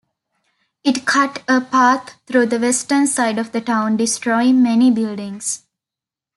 It cut a path through the western side of town, destroying many buildings.